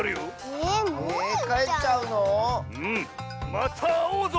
またあおうぞ！